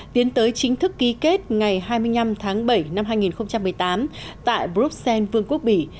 tiến tới chính thức ký kết ngày hai mươi năm tháng bảy năm hai nghìn một mươi tám tại bruxelles vương quốc bỉ